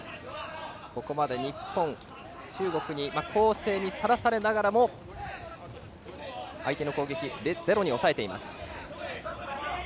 ここまで日本は、中国に攻勢にさらされながらも相手の攻撃をゼロに抑えています。